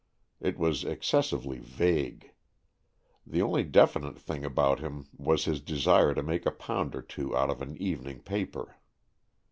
It was excessively vague. The only definite thing about him was his desire to make a pound or two out of an evening paper.